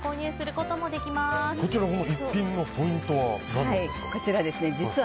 こちら、逸品のポイントは？